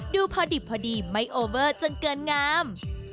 ดูพอดิบพอดีไม่โอเบอร์จนเกินงาม